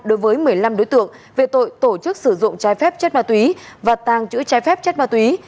đối với một mươi năm đối tượng về tội tổ chức sử dụng trái phép chất ma túy và tàng trữ trái phép chất ma túy